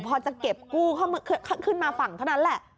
พอจะเก็บกู้เข้ามาฝั่งเท่านั้นแหละ